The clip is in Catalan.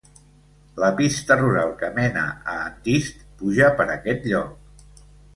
La pista rural que mena a Antist puja per aquest lloc.